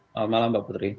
selamat malam mbak putri